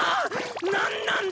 何なんだ